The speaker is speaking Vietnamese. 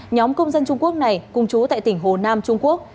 nhóm công dân trung quốc này cùng chú tại tỉnh hồ nam trung quốc